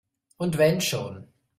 Und wenn schon!